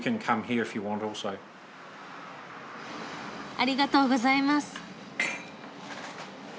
ありがとうございます。